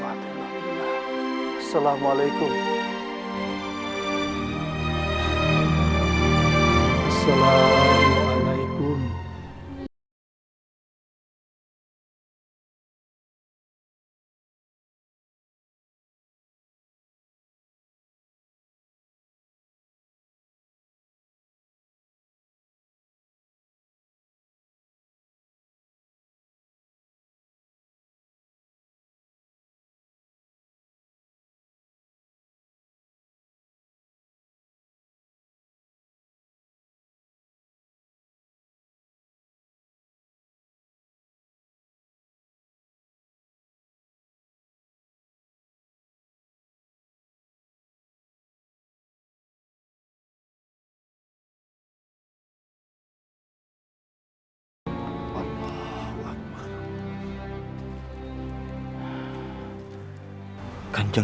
assalamualaikum warahmatullahi wabarakatuh